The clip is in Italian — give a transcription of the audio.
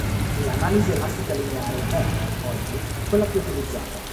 L'analisi elastica lineare è, oggi, quella più utilizzata.